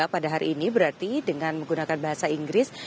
pada hari ini berarti dengan menggunakan bahasa inggris